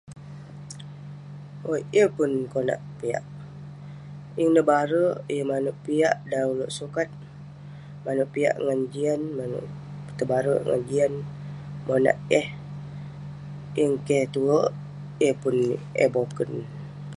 Owk. Yeng pun konak piak. Yeng nebarek, yeng maneuk piak dan uleuk sukat. Maneuk piak ngan jian, maneuk tebarek ngan jian monak eh. Yeng keh tuek. Yeng pun eh boken.